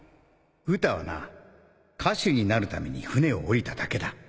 ウタはな歌手になるために船を降りただけだ